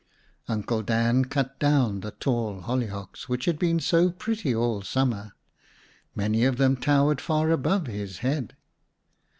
Uncle Dan cut down the tall hollyhocks which had been so pretty all summer. Many of them towered far above his head.